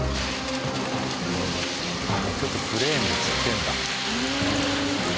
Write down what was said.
ちょっとクレーンで吊ってるんだ。